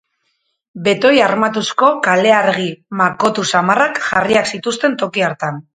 Betoi armatuzko kaleargi makotu samarrak jarriak zituzten toki hartan.